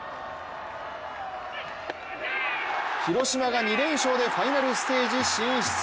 広島が２連勝でファイナルステージ進出。